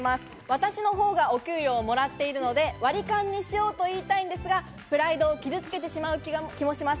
私のほうがお給料をもらっているので割り勘にしようと言いたいのですが、プライドを傷つけてしまう気もします。